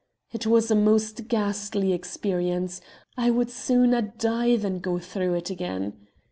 "It was a most ghastly experience. I would sooner die than go through it again.